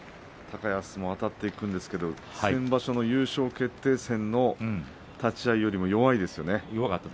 高安もあたっていくんですけど先場所の優勝決定戦の立ち合いよりも弱いですね。